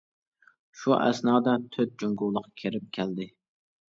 شۇ ئەسنادا تۆت جۇڭگولۇق كىرىپ كەلدى.